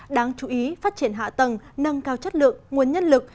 đáng chú ý phát triển hạ tầng nâng cao chất lượng nguồn nhân lực